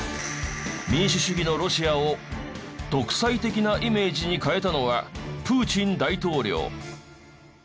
民主主義のロシアを独裁的なイメージに変えたのはプーチン大統領。